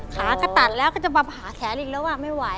ขาก็ตัดแล้วก็จะมาหาแขนอีกแล้วว่าไม่ไหว